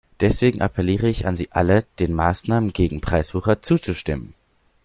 Deswegen appelliere ich an Sie alle, den Maßnahmen gegen Preiswucher zuzustimmen.